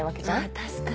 確かに。